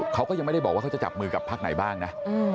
เขาก็ยังไม่ได้บอกว่าเขาจะจับมือกับพักไหนบ้างนะ